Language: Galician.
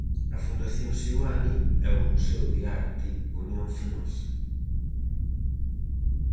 A Fundación Seoane e o Museo de Arte Unión Fenosa.